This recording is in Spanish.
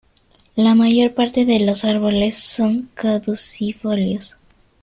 La mayor parte de los árboles son caducifolios.